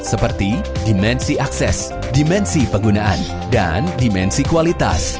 seperti dimensi akses dimensi penggunaan dan dimensi kualitas